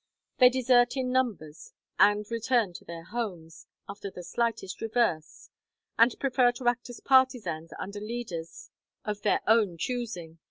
They desert in numbers and return to their homes, after the slightest reverse, and prefer to act as partisans under leaders of their own choosing.